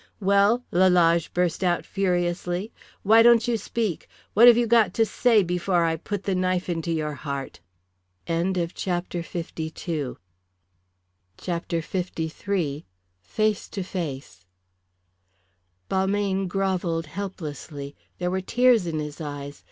"Well?" Lalage burst out, furiously. "Why don't you speak; what have you got to say before I put the knife into your heart?" CHAPTER LIII. FACE TO FACE. Balmayne grovelled helplessly. There were tears in his eyes.